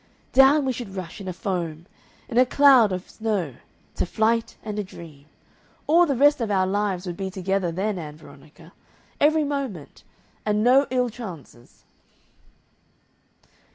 Down we should rush in a foam in a cloud of snow to flight and a dream. All the rest of our lives would be together then, Ann Veronica. Every moment. And no ill chances."